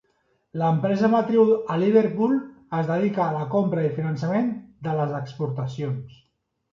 L'empresa matriu a Liverpool es dedica a la compra i finançament de les exportacions.